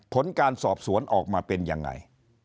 ผลการสอบสวนออกมาเป็นยังไง